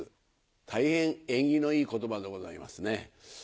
大変縁起のいい言葉でございますね。